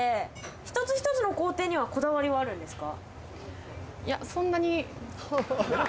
１つ１つの工程にはこだわりはあるんですか？